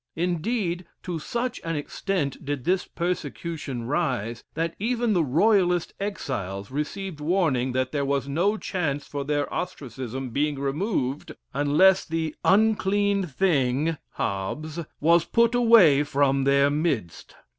Indeed, to such an extent did this persecution rise, that even the royalist exiles received warning that there was no chance for their ostracism being removed, unless "the unclean thing (Hobbes) was put away from their midst."